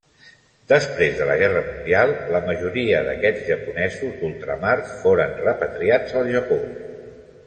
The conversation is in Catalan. Després de la Guerra Mundial, la majoria d'aquests japonesos d'ultramar foren repatriats al Japó.